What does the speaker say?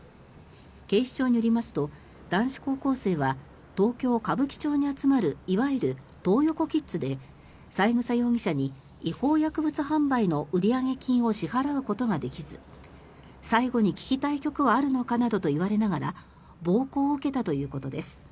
警視庁によりますと男子高校生は東京・歌舞伎町に集まるいわゆるトー横キッズで三枝容疑者らに違法薬物販売の売上金を支払うことはできず最後に聴きたい曲はあるのかなどと言われながら暴行を受けたということです。